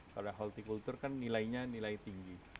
karena horticultur kan nilainya nilai tinggi